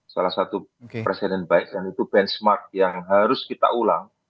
salah satu presiden baik dan itu benchmark yang harus kita ulang